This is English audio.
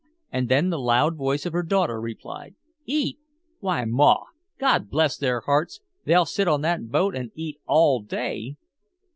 And then the loud voice of her daughter replied: "Eat? Why, ma, God bless their hearts, they'll sit on that boat and eat all day!"